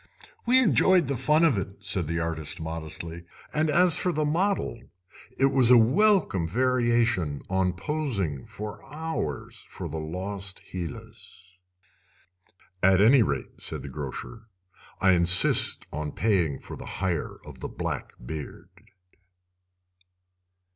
"We enjoyed the fun of it," said the artist modestly, "and as for the model, it was a welcome variation on posing for hours for 'The Lost Hylas'." "At any rate," said the grocer, "I insist on paying for the hire of the black beard."